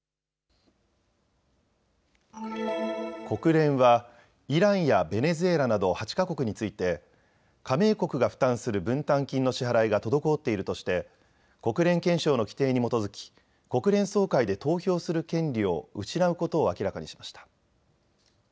国連はイランやベネズエラなど８か国について加盟国が負担する分担金の支払いが滞っているとして国連憲章の規定に基づき国連総会で投票する権利を失うことを明らかにしました。